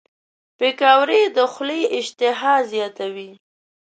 پکورې د خولې اشتها زیاتوي